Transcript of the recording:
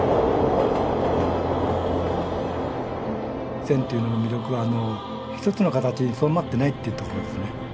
線というのの魅力はあの一つの形にとどまってないっていうところですね。